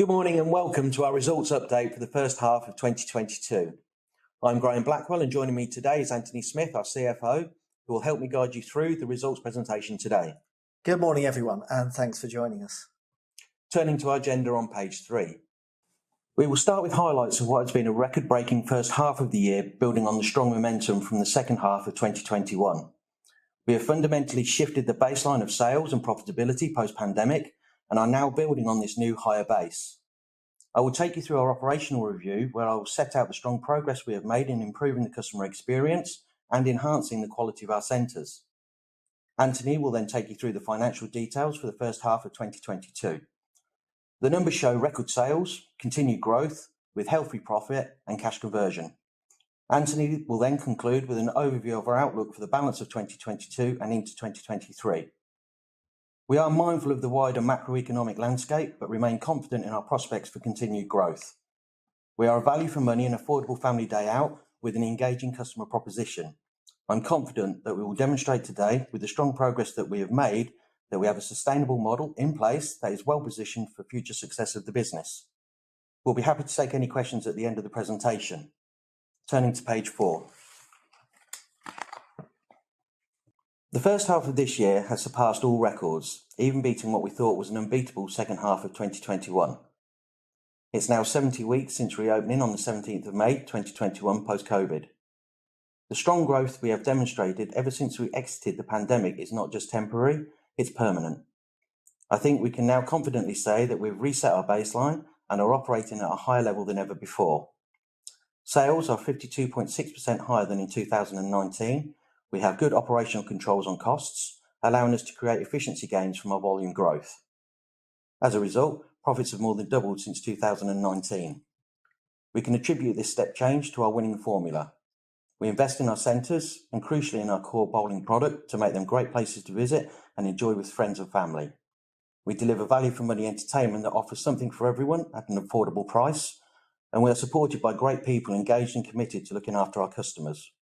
Good morning and welcome to our results update for the first half of 2022. I'm Graham Blackwell, and joining me today is Antony Smith, our CFO, who will help me guide you through the results presentation today. Good morning, everyone, and thanks for joining us. Turning to our agenda on page 3. We will start with highlights of what has been a record-breaking first half of the year, building on the strong momentum from the second half of 2021. We have fundamentally shifted the baseline of sales and profitability post-pandemic, and are now building on this new higher base. I will take you through our operational review, where I will set out the strong progress we have made in improving the customer experience and enhancing the quality of our centers. Antony will then take you through the financial details for the first half of 2022. The numbers show record sales, continued growth with healthy profit and cash conversion. Antony will then conclude with an overview of our outlook for the balance of 2022 and into 2023. We are mindful of the wider macroeconomic landscape, but remain confident in our prospects for continued growth. We are a value for money and affordable family day out with an engaging customer proposition. I'm confident that we will demonstrate today with the strong progress that we have made, that we have a sustainable model in place that is well-positioned for future success of the business. We'll be happy to take any questions at the end of the presentation. Turning to page 4. The first half of this year has surpassed all records, even beating what we thought was an unbeatable second half of 2021. It's now 70 weeks since reopening on the 17th of May, 2021 post-COVID. The strong growth we have demonstrated ever since we exited the pandemic is not just temporary, it's permanent. I think we can now confidently say that we've reset our baseline and are operating at a higher level than ever before. Sales are 52.6% higher than in 2019. We have good operational controls on costs, allowing us to create efficiency gains from our volume growth. As a result, profits have more than doubled since 2019. We can attribute this step change to our winning formula. We invest in our centers and crucially in our core bowling product to make them great places to visit and enjoy with friends and family. We deliver value for money entertainment that offers something for everyone at an affordable price, and we are supported by great people engaged and committed to looking after our customers.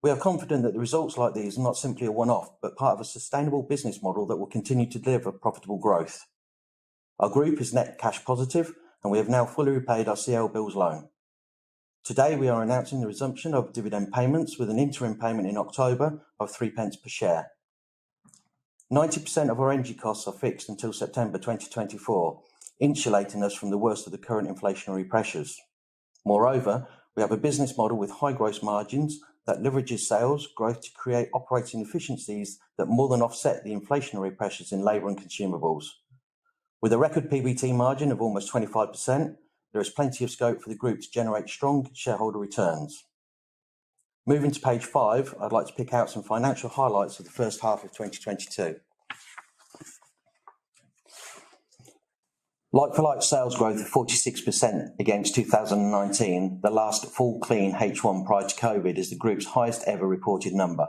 We are confident that the results like these are not simply a one-off, but part of a sustainable business model that will continue to deliver profitable growth. Our group is net cash positive, and we have now fully repaid our CLBILS loan. Today, we are announcing the resumption of dividend payments with an interim payment in October of 0.03 per share. 90% of our energy costs are fixed until September 2024, insulating us from the worst of the current inflationary pressures. Moreover, we have a business model with high gross margins that leverages sales growth to create operating efficiencies that more than offset the inflationary pressures in labor and consumables. With a record PBT margin of almost 25%, there is plenty of scope for the group to generate strong shareholder returns. Moving to page 5, I'd like to pick out some financial highlights for the first half of 2022. Like-for-like sales growth of 46% against 2019, the last full clean H1 prior to COVID is the group's highest ever reported number.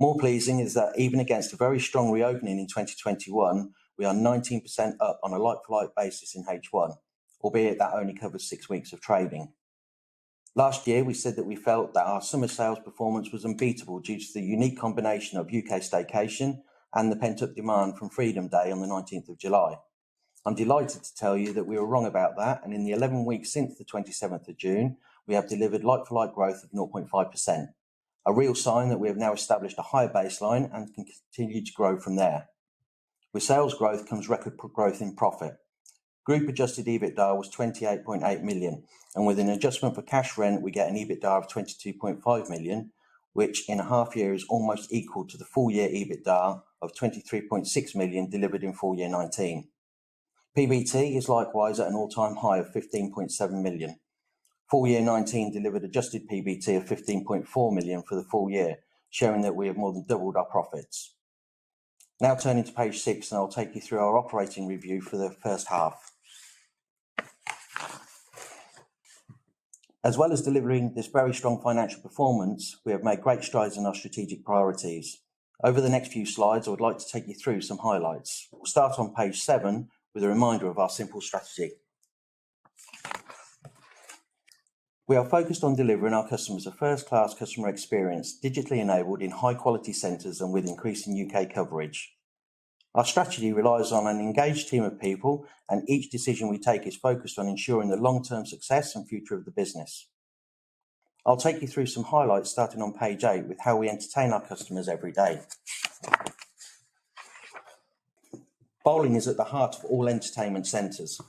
More pleasing is that even against a very strong reopening in 2021, we are 19% up on a like-for-like basis in H1, albeit that only covers six weeks of trading. Last year, we said that we felt that our summer sales performance was unbeatable due to the unique combination of U.K. staycation and the pent-up demand from Freedom Day on the 19th of July. I'm delighted to tell you that we were wrong about that, and in the 11 weeks since the 27th of June, we have delivered like-for-like growth of 0.5%. A real sign that we have now established a higher baseline and can continue to grow from there. With sales growth comes record profit growth. Group adjusted EBITDA was 28.8 million, and with an adjustment for cash rent, we get an EBITDA of 22.5 million, which in a half year is almost equal to the full-year EBITDA of 23.6 million delivered in full-year 2019. PBT is likewise at an all-time high of 15.7 million. Full-year 2019 delivered adjusted PBT of 15.4 million for the full-year, showing that we have more than doubled our profits. Now turning to page 6, and I'll take you through our operating review for the first half. As well as delivering this very strong financial performance, we have made great strides in our strategic priorities. Over the next few slides, I would like to take you through some highlights. We'll start on page 7 with a reminder of our simple strategy. We are focused on delivering our customers a first-class customer experience, digitally enabled in high-quality centers and with increasing U.K. coverage. Our strategy relies on an engaged team of people, and each decision we take is focused on ensuring the long-term success and future of the business. I'll take you through some highlights starting on page 8 with how we entertain our customers every day. Bowling is at the heart of all entertainment centers.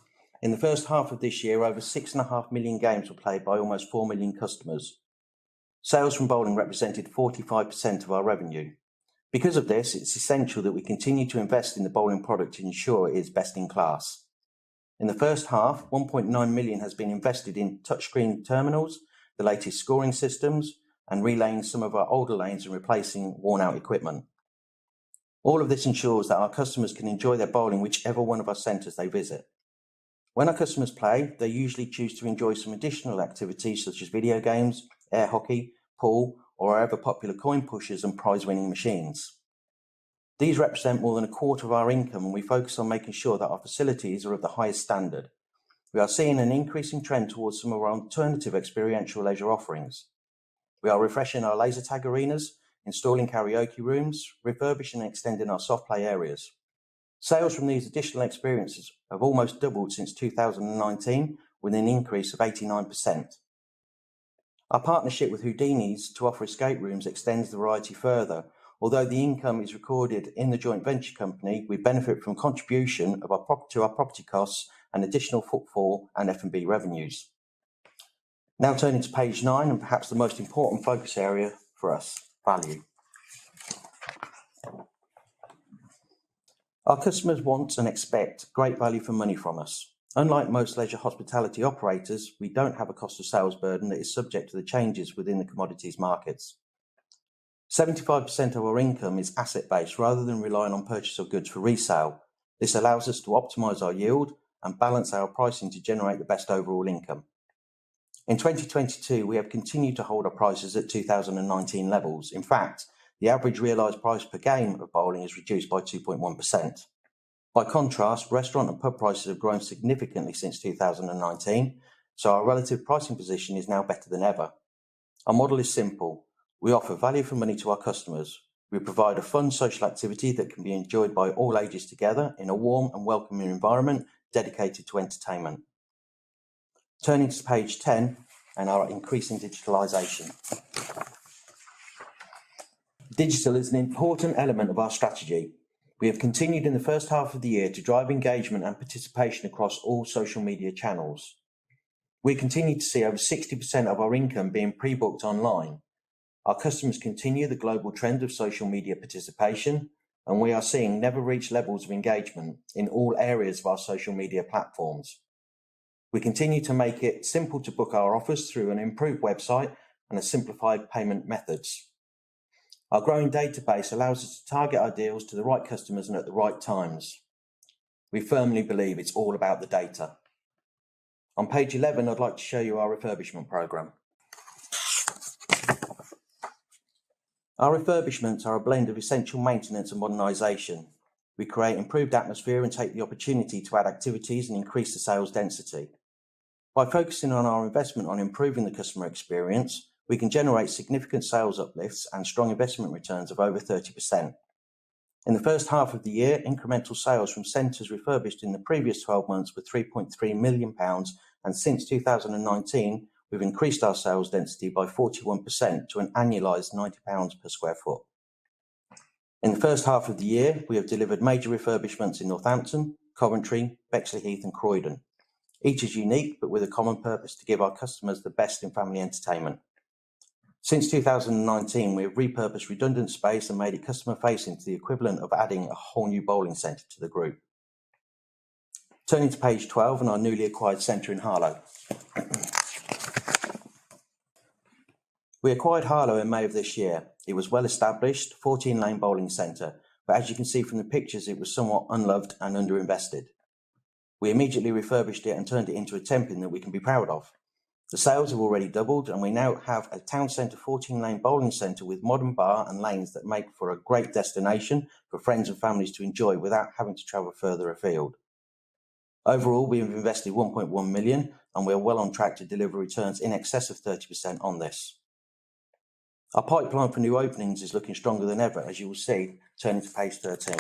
In the first half of this year, over 6.5 million games were played by almost 4 million customers. Sales from bowling represented 45% of our revenue. Because of this, it's essential that we continue to invest in the bowling product to ensure it is best in class. In the first half, 1.9 million has been invested in touchscreen terminals, the latest scoring systems, and relaying some of our older lanes and replacing worn-out equipment. All of this ensures that our customers can enjoy their bowling whichever one of our centers they visit. When our customers play, they usually choose to enjoy some additional activities such as video games, air hockey, pool, or our ever-popular coin pushers and prize-winning machines. These represent more than 1/4 of our income, and we focus on making sure that our facilities are of the highest standard. We are seeing an increasing trend towards some of our alternative experiential leisure offerings. We are refreshing our laser tag arenas, installing karaoke rooms, refurbishing and extending our soft play areas. Sales from these additional experiences have almost doubled since 2019, with an increase of 89%. Our partnership with Houdini's to offer escape rooms extends the variety further. Although the income is recorded in the joint venture company, we benefit from contribution to our property costs and additional footfall and F&B revenues. Now turning to page 9 and perhaps the most important focus area for us, value. Our customers want and expect great value for money from us. Unlike most leisure hospitality operators, we don't have a cost of sales burden that is subject to the changes within the commodities markets. 75% of our income is asset-based rather than relying on purchase of goods for resale. This allows us to optimize our yield and balance our pricing to generate the best overall income. In 2022, we have continued to hold our prices at 2019 levels. In fact, the average realized price per game of bowling has reduced by 2.1%. By contrast, restaurant and pub prices have grown significantly since 2019, so our relative pricing position is now better than ever. Our model is simple. We offer value for money to our customers. We provide a fun social activity that can be enjoyed by all ages together in a warm and welcoming environment dedicated to entertainment. Turning to page 10 and our increasing digitalization. Digital is an important element of our strategy. We have continued in the first half of the year to drive engagement and participation across all social media channels. We continue to see over 60% of our income being pre-booked online. Our customers continue the global trend of social media participation, and we are seeing never-reached levels of engagement in all areas of our social media platforms. We continue to make it simple to book our offers through an improved website and a simplified payment methods. Our growing database allows us to target our deals to the right customers and at the right times. We firmly believe it's all about the data. On page 11, I'd like to show you our refurbishment program. Our refurbishments are a blend of essential maintenance and modernization. We create improved atmosphere and take the opportunity to add activities and increase the sales density. By focusing on our investment on improving the customer experience, we can generate significant sales uplifts and strong investment returns of over 30%. In the first half of the year, incremental sales from centers refurbished in the previous 12 months were 3.3 million pounds, and since 2019, we've increased our sales density by 41% to an annualized 90 pounds per square feet. In the first half of the year, we have delivered major refurbishments in Northampton, Coventry, Bexleyheath and Croydon. Each is unique, but with a common purpose to give our customers the best in family entertainment. Since 2019, we have repurposed redundant space and made it customer-facing to the equivalent of adding a whole new bowling center to the group. Turning to page 12 and our newly acquired center in Harlow. We acquired Harlow in May of this year. It was well-established, 14-lane bowling center, but as you can see from the pictures, it was somewhat unloved and underinvested. We immediately refurbished it and turned it into a Tenpin that we can be proud of. The sales have already doubled, and we now have a town center 14-lane bowling center with modern bar and lanes that make for a great destination for friends and families to enjoy without having to travel further afield. Overall, we have invested 1.1 million, and we are well on track to deliver returns in excess of 30% on this. Our pipeline for new openings is looking stronger than ever, as you will see, turning to page 13.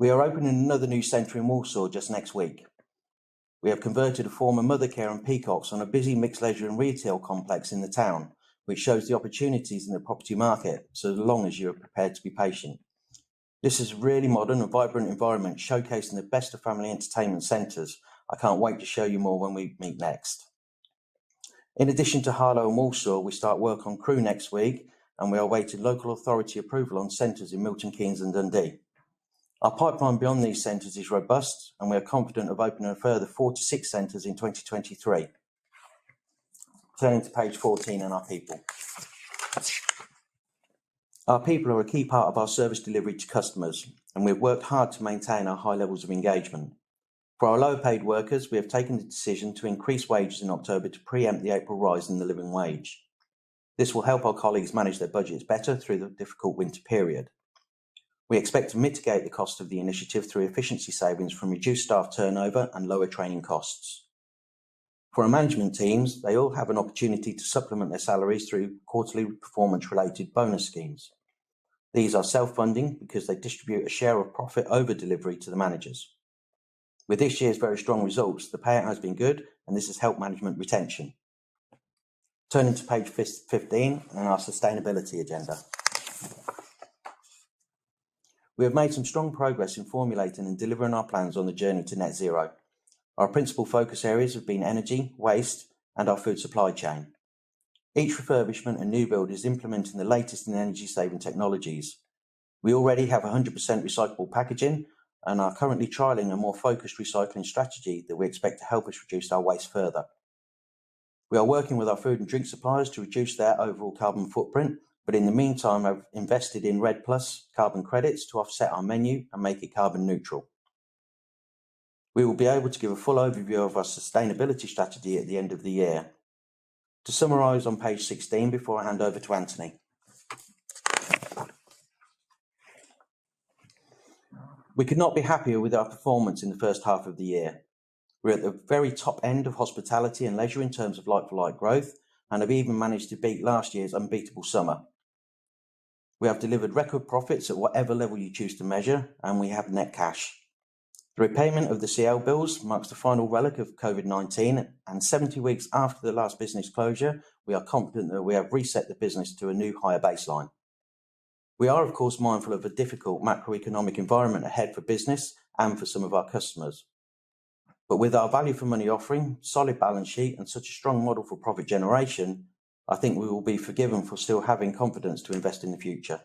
We are opening another new center in Walsall just next week. We have converted a former Mothercare and Peacocks on a busy mixed leisure and retail complex in the town, which shows the opportunities in the property market, so long as you are prepared to be patient. This is a really modern and vibrant environment showcasing the best of family entertainment centers. I can't wait to show you more when we meet next. In addition to Harlow and Walsall, we start work on Crewe next week, and we are awaiting local authority approval on centers in Milton Keynes and Dundee. Our pipeline beyond these centers is robust, and we are confident of opening a further four to six centers in 2023. Turning to page 14 and our people. Our people are a key part of our service delivery to customers, and we've worked hard to maintain our high levels of engagement. For our low-paid workers, we have taken the decision to increase wages in October to preempt the April rise in the living wage. This will help our colleagues manage their budgets better through the difficult winter period. We expect to mitigate the cost of the initiative through efficiency savings from reduced staff turnover and lower training costs. For our management teams, they all have an opportunity to supplement their salaries through quarterly performance-related bonus schemes. These are self-funding because they distribute a share of profit over delivery to the managers. With this year's very strong results, the payout has been good, and this has helped management retention. Turning to page 15 and our sustainability agenda. We have made some strong progress in formulating and delivering our plans on the journey to net zero. Our principal focus areas have been energy, waste, and our food supply chain. Each refurbishment and new build is implementing the latest in energy-saving technologies. We already have 100% recyclable packaging and are currently trialing a more focused recycling strategy that we expect to help us reduce our waste further. We are working with our food and drink suppliers to reduce their overall carbon footprint, but in the meantime, have invested in REDD+ carbon credits to offset our menu and make it carbon neutral. We will be able to give a full overview of our sustainability strategy at the end of the year. To summarize on page 16 before I hand over to Antony. We could not be happier with our performance in the first half of the year. We're at the very top end of hospitality and leisure in terms of like-for-like growth and have even managed to beat last year's unbeatable summer. We have delivered record profits at whatever level you choose to measure, and we have net cash. The repayment of the CLBILS marks the final relic of COVID-19, and 70 weeks after the last business closure, we are confident that we have reset the business to a new higher baseline. We are, of course, mindful of a difficult macroeconomic environment ahead for business and for some of our customers. With our value for money offering, solid balance sheet, and such a strong model for profit generation, I think we will be forgiven for still having confidence to invest in the future.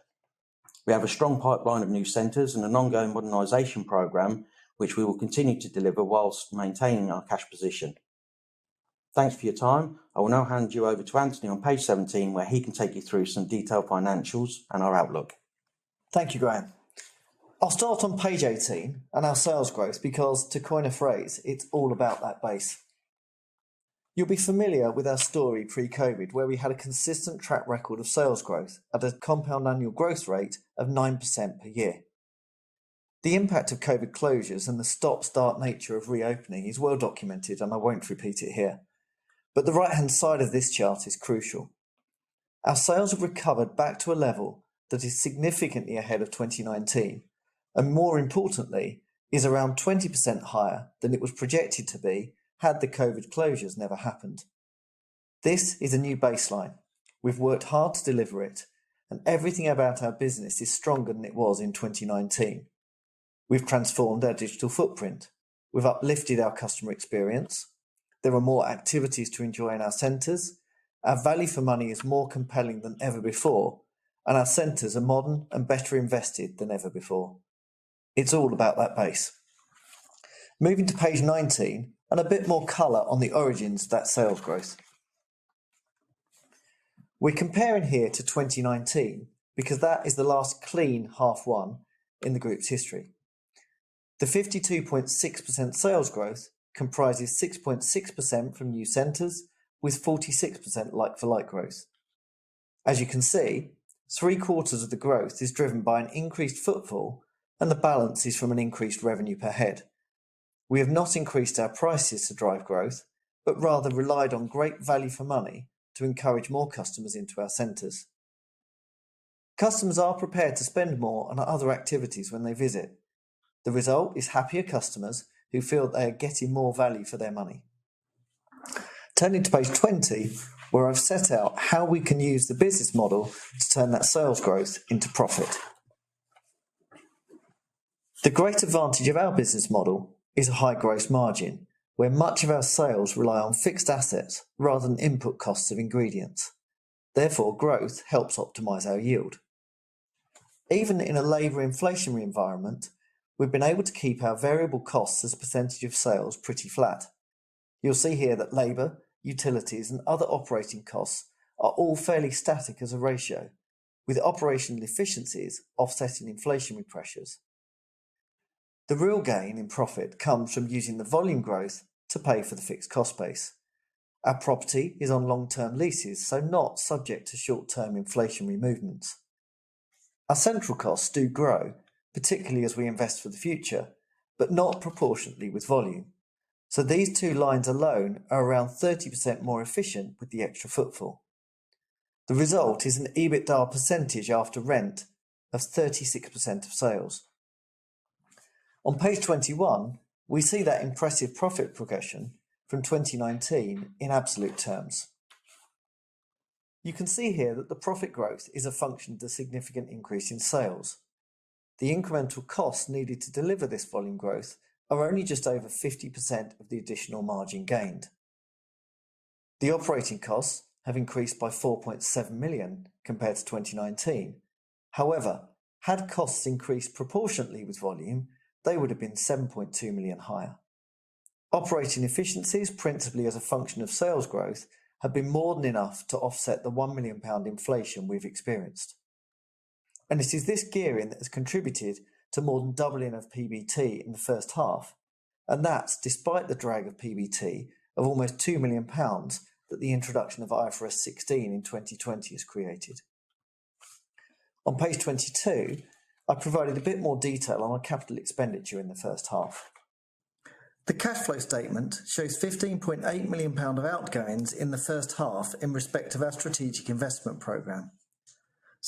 We have a strong pipeline of new centers and an ongoing modernization program, which we will continue to deliver whilst maintaining our cash position. Thanks for your time. I will now hand you over to Antony on page 17, where he can take you through some detailed financials and our outlook. Thank you, Graham. I'll start on page 18 and our sales growth because to coin a phrase, it's all about that base. You'll be familiar with our story pre-COVID, where we had a consistent track record of sales growth at a compound annual growth rate of 9% per year. The impact of COVID closures and the stop-start nature of reopening is well documented, and I won't repeat it here, but the right-hand side of this chart is crucial. Our sales have recovered back to a level that is significantly ahead of 2019, and more importantly, is around 20% higher than it was projected to be had the COVID closures never happened. This is a new baseline. We've worked hard to deliver it, and everything about our business is stronger than it was in 2019. We've transformed our digital footprint. We've uplifted our customer experience. There are more activities to enjoy in our centers. Our value for money is more compelling than ever before, and our centers are modern and better invested than ever before. It's all about that base. Moving to page 19 and a bit more color on the origins of that sales growth. We're comparing here to 2019 because that is the last clean H1 in the group's history. The 52.6% sales growth comprises 6.6% from new centers with 46% like-for-like growth. As you can see, three-quarters of the growth is driven by an increased footfall, and the balance is from an increased revenue per head. We have not increased our prices to drive growth but rather relied on great value for money to encourage more customers into our centers. Customers are prepared to spend more on our other activities when they visit. The result is happier customers who feel they are getting more value for their money. Turning to page 20, where I've set out how we can use the business model to turn that sales growth into profit. The great advantage of our business model is a high gross margin, where much of our sales rely on fixed assets rather than input costs of ingredients. Therefore, growth helps optimize our yield. Even in a labor inflationary environment, we've been able to keep our variable costs as a percentage of sales pretty flat. You'll see here that labor, utilities, and other operating costs are all fairly static as a ratio, with operational efficiencies offsetting inflationary pressures. The real gain in profit comes from using the volume growth to pay for the fixed cost base. Our property is on long-term leases, so not subject to short-term inflationary movements. Our central costs do grow, particularly as we invest for the future, but not proportionately with volume. These two lines alone are around 30% more efficient with the extra footfall. The result is an EBITDA percentage after rent of 36% of sales. On page 21, we see that impressive profit progression from 2019 in absolute terms. You can see here that the profit growth is a function of the significant increase in sales. The incremental costs needed to deliver this volume growth are only just over 50% of the additional margin gained. The operating costs have increased by 4.7 million compared to 2019. However, had costs increased proportionately with volume, they would have been 7.2 million higher. Operating efficiencies, principally as a function of sales growth, have been more than enough to offset the 1 million pound inflation we've experienced. It is this gearing that has contributed to more than doubling of PBT in the first half, and that's despite the drag of PBT of almost 2 million pounds that the introduction of IFRS 16 in 2020 has created. On page 22, I provided a bit more detail on our capital expenditure in the first half. The cash flow statement shows GBP 15.8 million of outgoings in the first half in respect of our strategic investment program.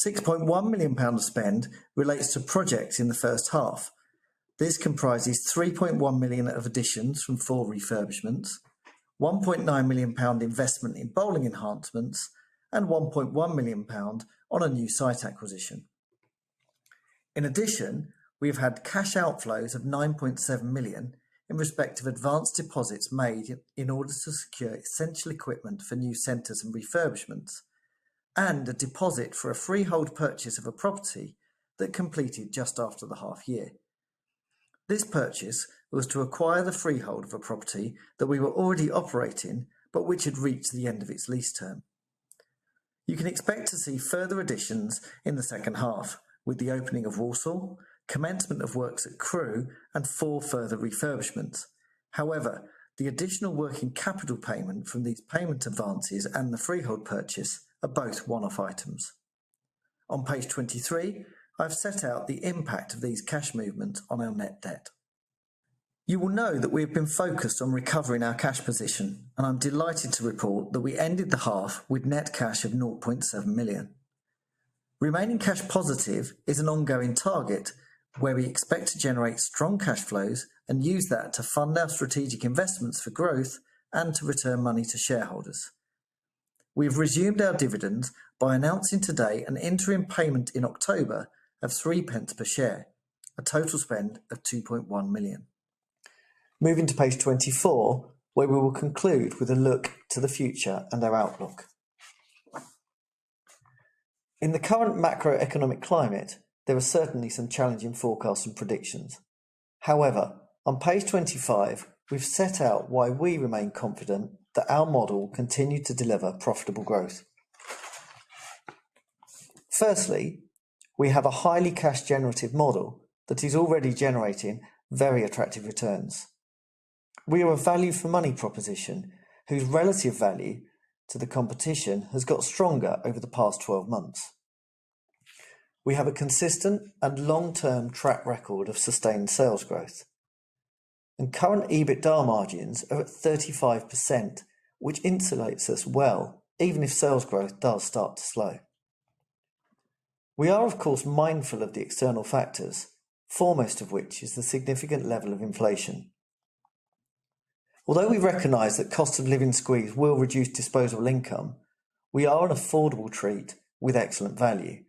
6.1 million pound of spend relates to projects in the first half. This comprises 3.1 million of additions from four refurbishments, 1.9 million pound investment in bowling enhancements, and 1.1 million pound on a new site acquisition. In addition, we've had cash outflows of 9.7 million in respect of advanced deposits made in order to secure essential equipment for new centers and refurbishments and a deposit for a freehold purchase of a property that completed just after the half year. This purchase was to acquire the freehold of a property that we were already operating but which had reached the end of its lease term. You can expect to see further additions in the second half with the opening of Walsall, commencement of works at Crewe, and four further refurbishments. However, the additional working capital payment from these payment advances and the freehold purchase are both one-off items. On page 23, I've set out the impact of these cash movements on our net debt. You will know that we have been focused on recovering our cash position, and I'm delighted to report that we ended the half with net cash of 0.7 million. Remaining cash positive is an ongoing target, where we expect to generate strong cash flows and use that to fund our strategic investments for growth and to return money to shareholders. We've resumed our dividend by announcing today an interim payment in October of three pence per share, a total spend of 2.1 million. Moving to page 24, where we will conclude with a look to the future and our outlook. In the current macroeconomic climate, there are certainly some challenging forecasts and predictions. However, on page 25, we've set out why we remain confident that our model will continue to deliver profitable growth. Firstly, we have a highly cash generative model that is already generating very attractive returns. We are a value for money proposition whose relative value to the competition has got stronger over the past 12 months. We have a consistent and long-term track record of sustained sales growth, and current EBITDA margins are at 35%, which insulates us well, even if sales growth does start to slow. We are, of course, mindful of the external factors, foremost of which is the significant level of inflation. Although we recognize that cost of living squeeze will reduce disposable income, we are an affordable treat with excellent value.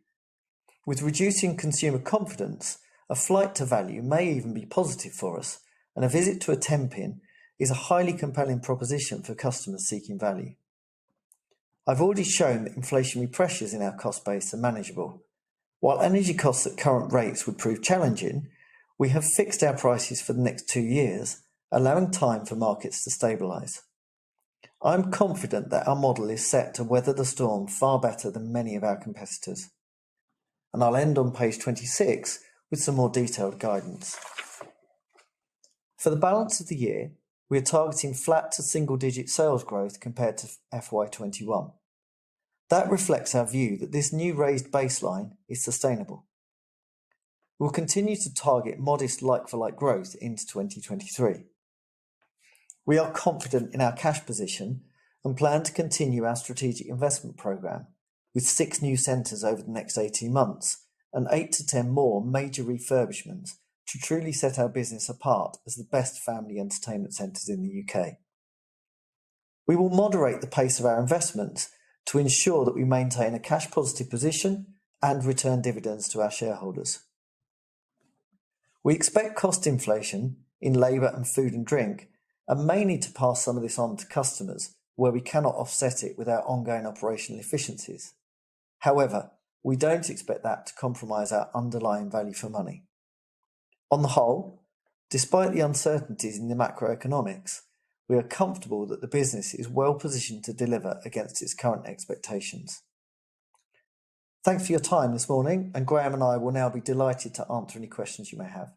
With reducing consumer confidence, a flight to value may even be positive for us, and a visit to a Tenpin is a highly compelling proposition for customers seeking value. I've already shown that inflationary pressures in our cost base are manageable. While energy costs at current rates would prove challenging, we have fixed our prices for the next two years, allowing time for markets to stabilize. I'm confident that our model is set to weather the storm far better than many of our competitors, and I'll end on page 26 with some more detailed guidance. For the balance of the year, we are targeting flat to single-digit sales growth compared to FY 2021. That reflects our view that this new raised baseline is sustainable. We'll continue to target modest like-for-like growth into 2023. We are confident in our cash position and plan to continue our strategic investment program with six new centers over the next 18 months and eight to 10 more major refurbishments to truly set our business apart as the best family entertainment centers in the U.K. We will moderate the pace of our investments to ensure that we maintain a cash positive position and return dividends to our shareholders. We expect cost inflation in labor and food and drink and may need to pass some of this on to customers where we cannot offset it with our ongoing operational efficiencies. However, we don't expect that to compromise our underlying value for money. On the whole, despite the uncertainties in the macroeconomics, we are comfortable that the business is well positioned to deliver against its current expectations. Thanks for your time this morning, and Graham and I will now be delighted to answer any questions you may have.